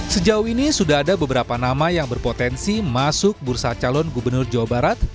sejauh ini sudah ada beberapa nama yang berpotensi masuk bursa calon gubernur jawa barat